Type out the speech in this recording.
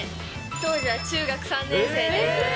当時は中学３年生です。